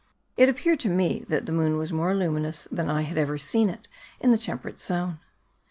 It appeared to me that the moon was more luminous than I had ever seen it in the temperate zone.